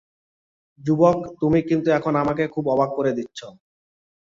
যুবক, তুমি কিন্তু এখন আমাকে খুব অবাক করে দিচ্ছ!